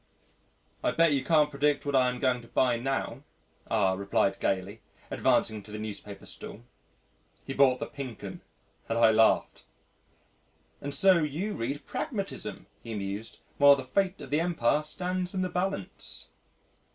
"I bet you can't predict what I am going to buy now," R replied gaily, advancing to the newspaper stall. He bought the Pink 'Un and I laughed.... "And so you read Pragmatism," he mused, "while the fate of the Empire stands in the balance."